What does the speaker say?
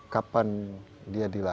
kapan dia dilakukan